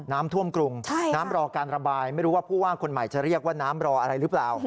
น้ำท่วมกรุงน้ำรอการระบายไม่รู้ว่าผู้ว่าคนใหม่จะเรียกว่าน้ำรออะไรหรือเปล่า